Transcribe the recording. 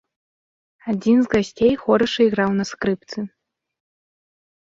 Адзін з гасцей хораша іграў на скрыпцы.